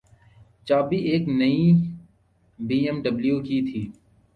چابی ایک نئی بی ایم ڈبلیو کی تھی۔